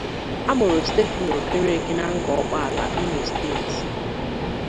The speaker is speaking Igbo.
Amụrụ Stephanie Okereke na Ngor Okpala, Imo State.